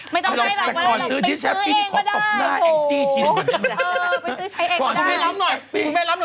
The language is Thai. ไม่ต้องให้หลังไม้เราลองไปซื้อเองก็ได้